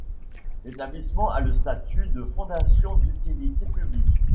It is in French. L'établissement a le statut de fondation d'utilité publique.